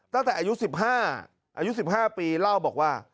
ตั้งแต่อายุสิบห้าอายุสิบห้าปีเล่าบอกว่า